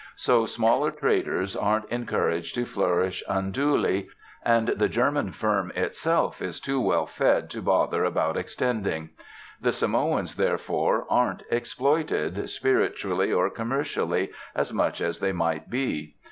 So smaller traders aren't encouraged to flourish unduly; and the German firm itself is too well fed to bother about extending. The Samoans, therefore, aren't exploited, spiritually or commercially, as much as they might be.